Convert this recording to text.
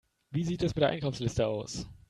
Wie sieht es mit der Einkaufsliste aus?